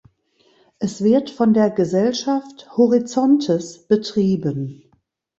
Es wird von der Gesellschaft "Horizontes" betrieben.